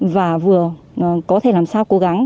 và vừa có thể làm sao cố gắng